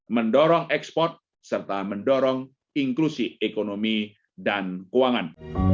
mendorong ekspor serta mendorong inklusi ekonomi dan keuangan